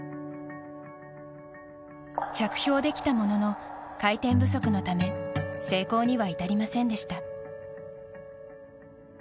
着氷できたものの回転不足のため成功には至りませんでした。